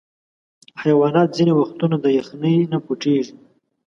حیوانات ځینې وختونه د یخني نه پټیږي.